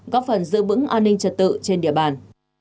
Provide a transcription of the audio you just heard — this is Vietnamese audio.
góp phần giữ vững an ninh trật tự trên địa bàn